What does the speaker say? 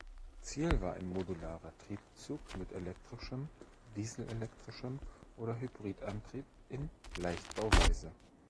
Ziel war ein modularer Triebzug mit elektrischem, dieselelektrischem oder Hybridantrieb in Leichtbauweise.